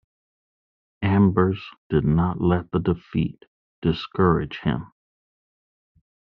Ambers did not let the defeat discourage him.